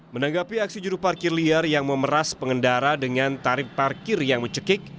menanggapi aksi juru parkir liar yang memeras pengendara dengan tarif parkir yang mencekik